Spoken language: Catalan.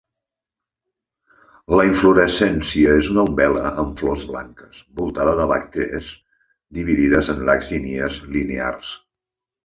La inflorescència és una umbel·la amb flors blanques, voltada de bràctees dividides en lacínies linears.